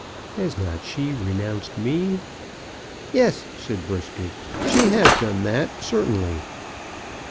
"Has not she renounced me?" "Yes," said Brisket, "she has done that certainly."